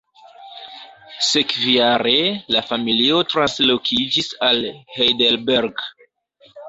Sekvajare, la familio translokiĝis al Heidelberg.